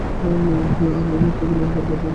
আর Neymar তো গেলেন দলবদলের বিশ্ব রেকর্ড গড়েই।